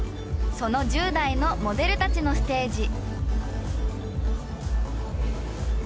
その１０代のモデルたちのステージ。